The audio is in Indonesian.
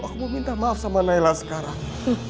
aku mau minta maaf sama nailah sekarang